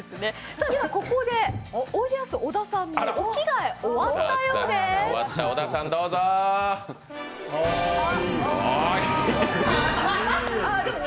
ここでおいでやす小田さんのお着替え終わったようです。